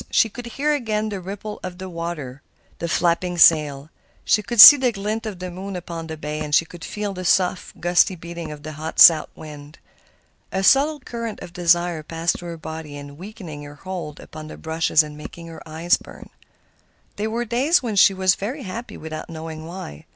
She could hear again the ripple of the water, the flapping sail. She could see the glint of the moon upon the bay, and could feel the soft, gusty beating of the hot south wind. A subtle current of desire passed through her body, weakening her hold upon the brushes and making her eyes burn. There were days when she was very happy without knowing why.